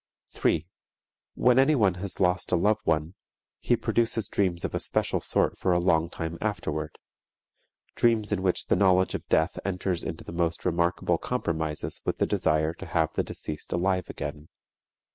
3. When anyone has lost a loved one, he produces dreams of a special sort for a long time afterward, dreams in which the knowledge of death enters into the most remarkable compromises with the desire to have the deceased alive again.